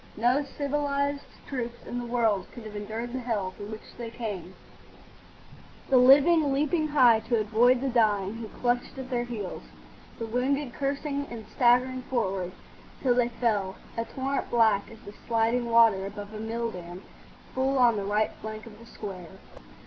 No civilised troops in the world could have endured the hell through which they came, the living leaping high to avoid the dying who clutched at their heels, the wounded cursing and staggering forward, till they fell—a torrent black as the sliding water above a mill dam—full on the right flank of the square.